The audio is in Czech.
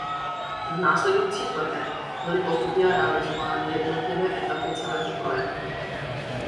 V následujících letech byly postupně realizovány jednotlivé etapy celého projektu.